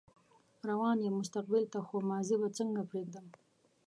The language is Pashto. روان يم مستقبل ته خو ماضي به څنګه پرېږدم